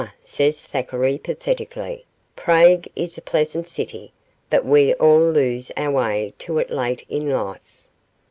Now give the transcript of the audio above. says Thackeray, pathetically, 'Prague is a pleasant city, but we all lose our way to it late in life.